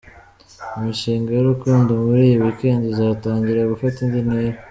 Imishinga y’urukundo muri iyi weekend izatangira gufata indi ntera.